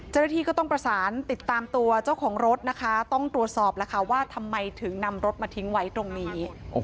เจ้าหน้าที่ก็ต้องประสานติดตามตัวเจ้าของรถนะคะต้องตรวจสอบแล้วค่ะว่าทำไมถึงนำรถมาทิ้งไว้ตรงนี้